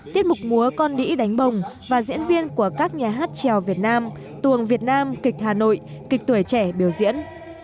tiết mục múa con đĩ đánh bồng và diễn viên của các nhà hát trèo việt nam tuồng việt nam kịch hà nội kịch tuổi trẻ biểu diễn